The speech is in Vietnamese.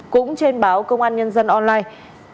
cũng trên báo công an nhân dân online